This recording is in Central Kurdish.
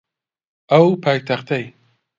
ئەو پایتەختەی